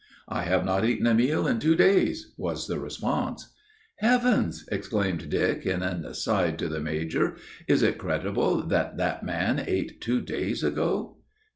"I have not eaten a meal in two days," was the response. "Heavens!" exclaimed Dick in an aside to the major. "Is it credible that that man ate two days ago!"